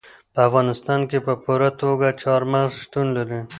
په افغانستان کې په پوره توګه چار مغز شتون لري.